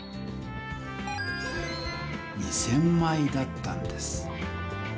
２０００枚だったんです。